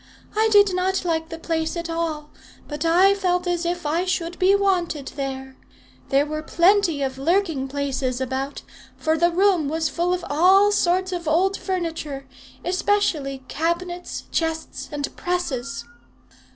I did not like the place at all, but I felt as if I should be wanted there. There were plenty of lurking places about, for the room was full of all sorts of old furniture, especially cabinets, chests, and presses.